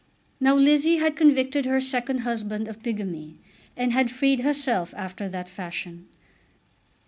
Now Lizzie had convicted her second husband of bigamy, and had freed herself after that fashion.